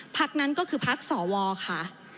พักนั้นก็คือพักสวค่ะ